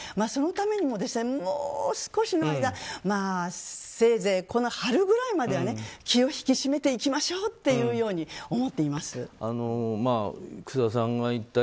そのためにも、もう少しの間せいぜいこの春ぐらいまでは気を引き締めていきましょうというように思っています。